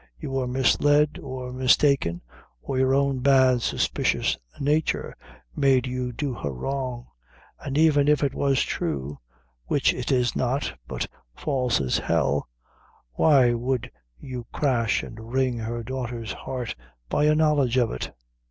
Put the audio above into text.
You were misled or mistaken, or your own bad, suspicious nature made you do her wrong; an' even if it was thrue which it is not, but false as hell why would you crash and wring her daughter's heart by a knowledge of it?